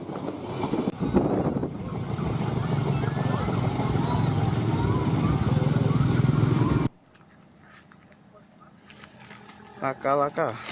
peristiwa ini terjadi diduga akibat sopir yang mengantuk serta pelintasan kereta api yang tidak dilengkapi dengan palang pintu